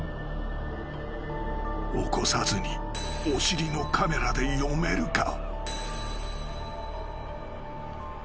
［起こさずにお尻のカメラで詠めるか？］